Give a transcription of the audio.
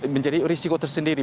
menjadi risiko tersendiri